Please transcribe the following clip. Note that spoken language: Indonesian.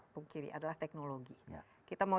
pungkiri adalah teknologi kita mau